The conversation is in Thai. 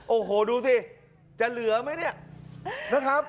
โอ้โหดูสิจะเหลือไหมเนี่ยนะครับ